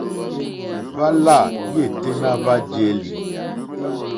Hwá lâ yêténá hwá jēlì.